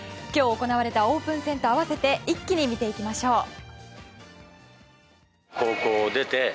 今日行われたオープン戦と合わせて一気に見ていきましょう。